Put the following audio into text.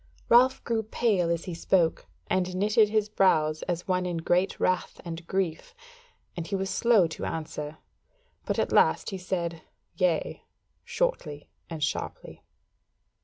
Ralph grew pale as he spoke and knitted his brows as one in great wrath and grief; and he was slow to answer; but at last he said "Yea," shortly and sharply.